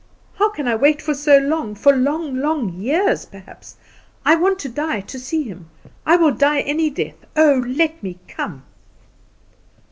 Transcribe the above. "How can I wait so long for long, long years perhaps? I want to die to see Him. I will die any death. Oh, let me come!"